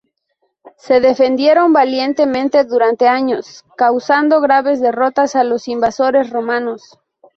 Se defendieron valientemente durante años, causando graves derrotas a los invasores romanos.